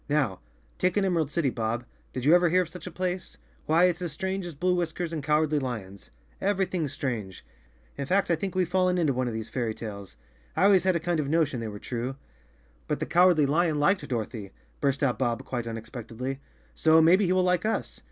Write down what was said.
Now take an Emerald City, Bob; did you ever hear of such a place ? Why, it's as strange as blue whiskers and cowardly lions. Everything's strange. In fact, I think we've fallen into one of these fairy tales. I always had a kind of notion they were true!" "But the Cowardly Lion liked Dorothy," burst out Bob quite unexpectedly, "so maybe he will like us."